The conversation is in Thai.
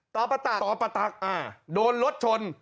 ปะตักต่อประตักโดนรถชน